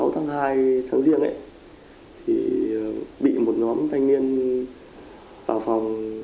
một mươi sáu tháng hai tháng riêng bị một nhóm thanh niên vào phòng